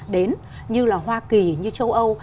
đến như là hoa kỳ như châu âu